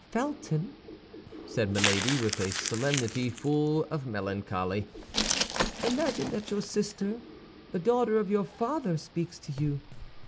"Felton," said Milady, with a solemnity full of melancholy, "imagine that your sister, the daughter of your father, speaks to you.